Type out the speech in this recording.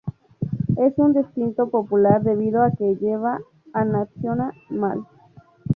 Es un destino popular debido a que lleva al National Mall.